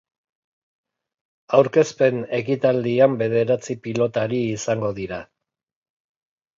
Aurkezpen ekitaldian bederatzi pilotari izango dira.